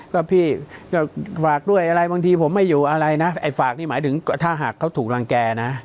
ก็พี่ก็ฝากด้วยอะไรบางทีผมไม่อยู่อะไรนะไอ้ฝากนี่หมายถึงถ้าหากเขาถูกรังแก่นะ